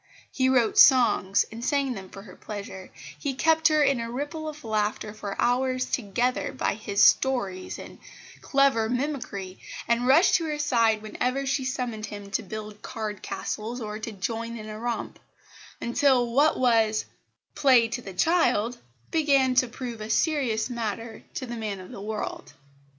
He wrote songs, and sang them for her pleasure; he kept her in a ripple of laughter for hours together by his stories and clever mimicry, and rushed to her side whenever she summoned him to build card castles or to join in a romp until what was "play to the child" began to prove a serious matter to the man of the world.